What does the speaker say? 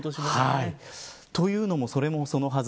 というのも、それもそのはず